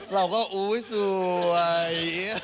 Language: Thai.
เราก็อุ๊ยสวย